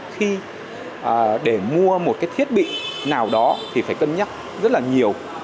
khi để mua một cái thiết bị nào đó thì phải cân nhắc rất là nhiều